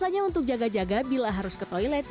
biasanya untuk jaga jaga bila harus ke toilet